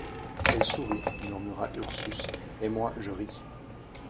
Elle sourit, murmura Ursus, et moi je ris.